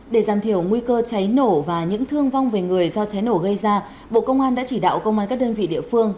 để giảm thiểu nguy cơ cháy nổ và những thương vong về người do cháy nổ gây ra bộ công an đã chỉ đạo công an các đơn vị địa phương